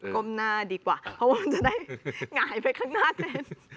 ก้มหน้าดีกว่าเพราะว่ามันจะได้หงายไปข้างหน้าเซส